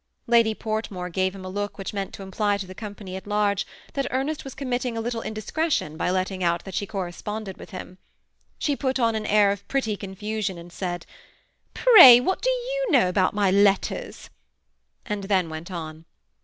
Lady Portmore gave him a look which meant to im ply to the company at large that Ernest was commit ting a little indiscretion, by letting out that she corresponded with him. She put on an air of pretty confusion, and said, "Pray what do you know about my letters?" and then went on.